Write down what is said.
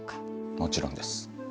もちろんです。